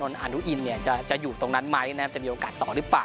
ก็คือสรานนท์อันดุอินเนี่ยจะจะอยู่ตรงนั้นไหมนะครับจะมีโอกาสต่อหรือเปล่า